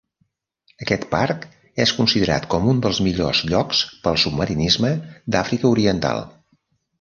Aquest parc és considerat com un dels millors llocs pel submarinisme d'Àfrica oriental.